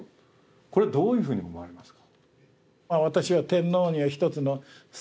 これはどういうふうに思われますか？